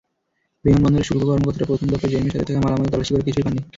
বিমানবন্দরের শুল্ক কর্মকর্তারা প্রথম দফায় জেইমের সঙ্গে থাকা মালামাল তল্লাশি করে কিছুই পাননি।